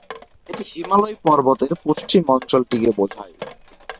এটি হিমালয় পর্বতের পশ্চিম অঞ্চলটিকে বোঝায়।